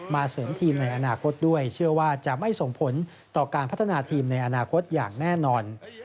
เสริมทีมในอนาคตด้วยเชื่อว่าจะไม่ส่งผลต่อการพัฒนาทีมในอนาคตอย่างแน่นอน